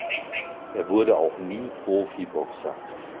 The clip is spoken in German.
Er wurde auch nie Profiboxer.